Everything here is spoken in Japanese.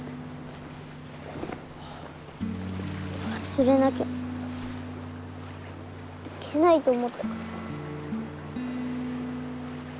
忘れなきゃいけないと思ったから。